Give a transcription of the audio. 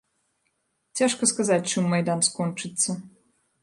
Цяжка сказаць, чым майдан скончыцца.